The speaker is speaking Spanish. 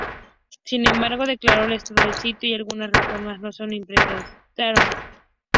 Sin embargo, declaró el estado de sitio y algunas reformas no se implementaron.